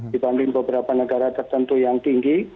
dibanding beberapa negara tertentu yang tinggi